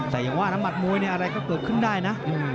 แต่อย่างว่าน้ำหัดมวยเนี่ยอะไรก็เกิดขึ้นได้นะ